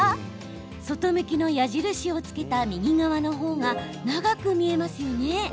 外向きの矢印をつけた右側の方が長く見えますよね。